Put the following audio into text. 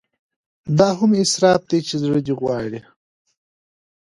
دا هم اسراف دی چې زړه دې غواړي.